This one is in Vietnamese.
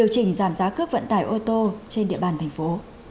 trên địa bàn thành phố